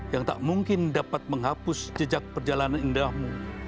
yang tak mungkin dapat menghapus jejak perjalanan indahmu